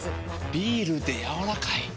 ビールでやわらかい。